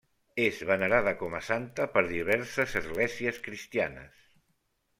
És venerada com a santa per diverses esglésies cristianes.